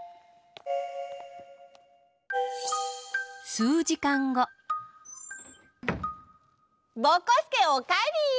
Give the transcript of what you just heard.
すうじかんごぼこすけおかえり！